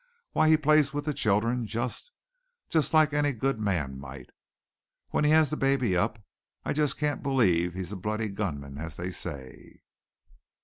Why, he plays with the children just just like any good man might. When he has the baby up I just can't believe he's a bloody gunman, as they say.